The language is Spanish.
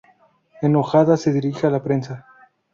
Enojada, se dirige a la prensa.